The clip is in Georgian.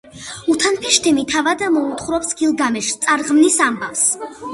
უთნაფიშთიმი თავად მოუთხრობს გილგამეშს წარღვნის ამბავს.